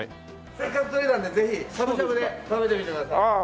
せっかくとれたんでぜひしゃぶしゃぶで食べてみてください。